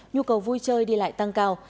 nhu cầu vui chơi đi lại tăng cao